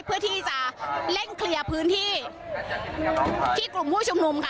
เพื่อที่จะเร่งเคลียร์พื้นที่ที่กลุ่มผู้ชุมนุมค่ะ